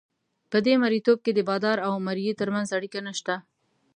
په دې مرییتوب کې د بادار او مریي ترمنځ اړیکه نشته.